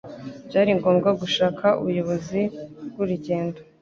Byari ngombwa gushaka ubuyobozi bwurugendo.